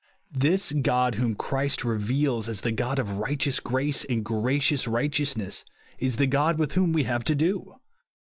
This God whom Christ reveals as the God of righteous grace and gracious righteous ness, is the God with whom we have to do.